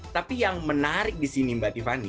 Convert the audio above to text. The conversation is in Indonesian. tapi yang menarik di sini mbak tiffany